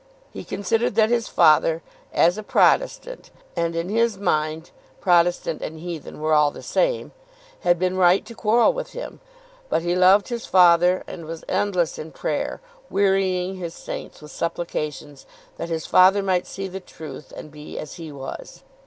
He considered that his father, as a Protestant, and in his mind Protestant and heathen were all the same, had been right to quarrel with him. But he loved his father, and was endless in prayer, wearying his saints with supplications, that his father might see the truth and be as he was.